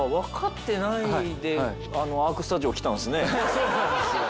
そうなんですよ。